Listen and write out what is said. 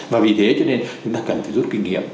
và vì thế cho nên chúng ta cần phải rút kinh nghiệm